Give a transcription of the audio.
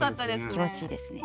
気持ちいいですね。